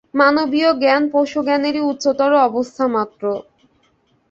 মানবীয় জ্ঞান পশুজ্ঞানেরই উচ্চতর অবস্থামাত্র।